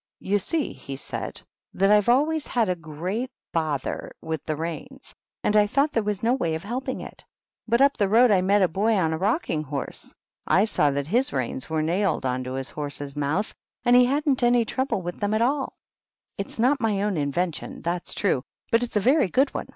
" You see," he said, " that I've always had a great bother with the reins, and I thought there was no way of helping it. But up the road I met a boy on a rocking horse. I saw that his reins were nailed on to his horse's mouth, and he hadn't any trouble with them at all. It's not THE WHITE KNIGHT. 107 my own invention, that^s true, but it's a very good one.